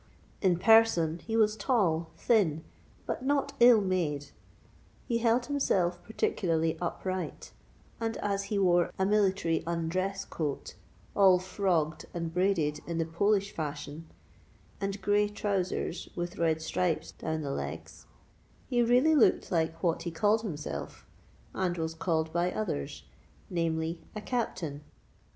In person he was tall, thin, but not ill made. He held himself particularly upright; and as he wore a military undress coat, all frogged and braided in the Polish fashion, and grey trousers with red stripes down the legs, he really looked like what he called himself and was called by others—namely, a CAPTAIN.